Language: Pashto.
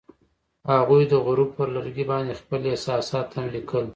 هغوی د غروب پر لرګي باندې خپل احساسات هم لیکل.